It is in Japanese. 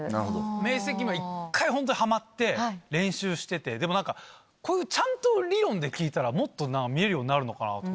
明晰夢は一回ホントにハマって練習しててでもこういうちゃんと理論で聞いたらもっと見れるようになるのかなとか。